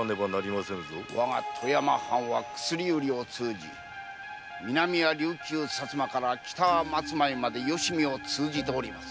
わが富山藩は薬売りを通じ南は琉球薩摩から北は松前までよしみを通じております。